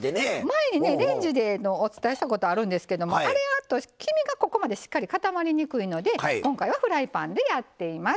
前にねレンジのお伝えしたことあるんですけどもあれやと黄身がここまでしっかり固まりにくいので今回はフライパンでやっています。